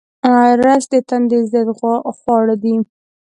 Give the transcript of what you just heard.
رس د تندې ضد خواړه دي